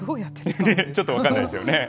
ちょっと分かんないですよね。